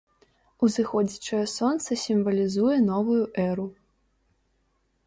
Узыходзячае сонца сімвалізуе новую эру.